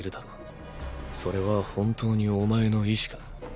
それは本当にお前の意思か？